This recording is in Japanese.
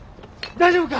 大丈夫か！？